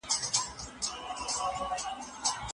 لښتې په خپلو شنو خالونو باندې د ژوند درد ولید.